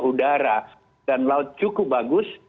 udara dan laut cukup bagus